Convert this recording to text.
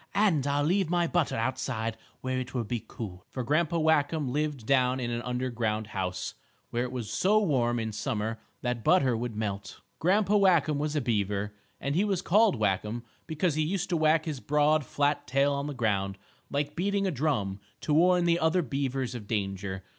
"And I'll leave my butter outside where it will be cool," for Grandpa Whackum lived down in an underground house, where it was so warm, in summer, that butter would melt. Grandpa Whackum was a beaver, and he was called Whackum because he used to whack his broad, flat tail on the ground, like beating a drum, to warn the other beavers of danger.